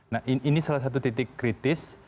nah ini salah satu titik kritis